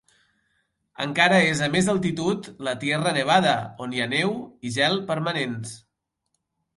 Encara és a més altitud la Tierra Nevada, on hi ha neu i gel permanents.